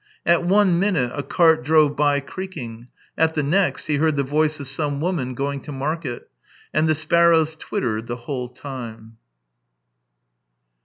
At one minute a cart drove by creaking; at the next, he heard the voice of some woman going to market. And the sparrows twittered the whole time.